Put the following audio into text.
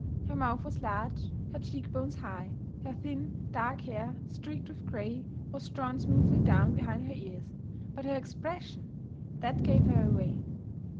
Her mouth was large, her cheek bones high; her thin, dark hair, streaked with gray, was drawn smoothly down behind her ears. But her expression! that gave her away.